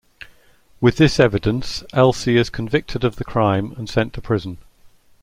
With this evidence, Elsie is convicted of the crime and sent to prison.